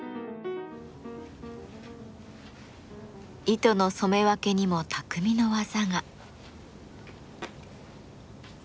糸の染め分けにも匠の技が。